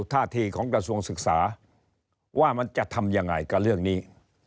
ท่าทีของกระทรวงศึกษาว่ามันจะทำยังไงกับเรื่องนี้